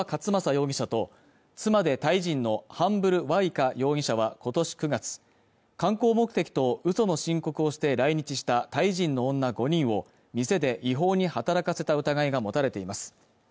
容疑者と妻でタイ人のハンブル・ワウィカ容疑者は今年９月観光目的とうその申告をして来日したタイ人の女５人を店で違法に働かせた疑いが持たれています